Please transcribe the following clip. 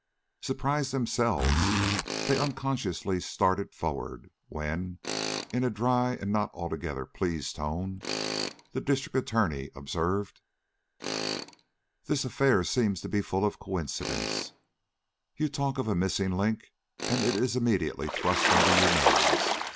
Surprised themselves, they unconsciously started forward, when, in a dry and not altogether pleased tone, the District Attorney observed: "This affair seems to be full of coincidences. You talk of a missing link, and it is immediately thrust under your nose.